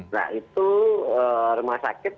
nah itu rumah sakit